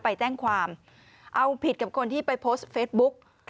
ไปแจ้งความเอาผิดกับคนที่ไปโพสต์เฟซบุ๊ก